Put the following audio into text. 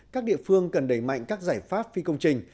các địa phương cần đẩy mạnh các giải pháp phi công trình